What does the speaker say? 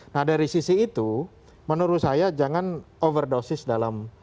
nah dari sisi itu menurut saya jangan overdosis dalam